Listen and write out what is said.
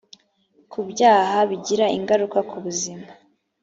ku byaha bigira ingaruka ku buzima